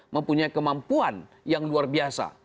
mempunyai kemampuan yang luar biasa